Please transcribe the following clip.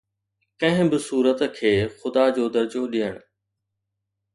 ڪنهن به صورت کي خدا جو درجو ڏيڻ